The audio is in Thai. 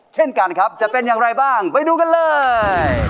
เช่นกันครับจะเป็นอย่างไรบ้างไปดูกันเลย